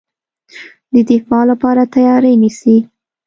د دفاع لپاره تیاری نیسي.